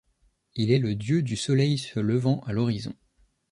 Il est le dieu du soleil se levant à l'horizon.